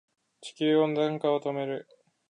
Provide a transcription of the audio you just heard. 地球温暖化を止める